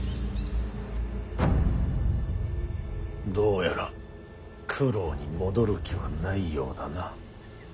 どうやら九郎に戻る気はないようだな。